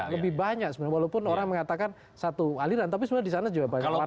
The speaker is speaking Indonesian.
lebih banyak sebenarnya walaupun orang mengatakan satu aliran tapi sebenarnya disana juga banyak warna